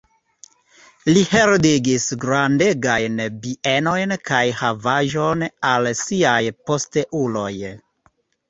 Li heredigis grandegajn bienojn kaj havaĵon al siaj posteuloj.